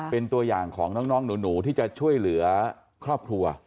เป็นตัวอย่างของน้องหนูที่จะช่วยเหลือครอบครัว